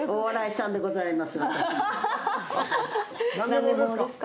何年ものですか？